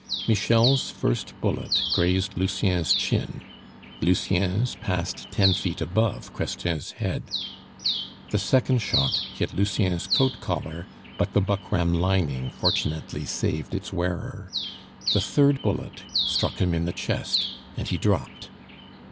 Michel's first bullet grazed Lucien's chin; Lucien's passed ten feet above Chrestien's head. The second shot hit Lucien's coat collar, but the buckram lining fortunately saved its wearer. The third bullet struck him in the chest, and he dropped.